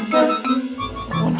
tidur dulu pak